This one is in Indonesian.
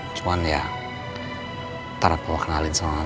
nanti papa kenalin sama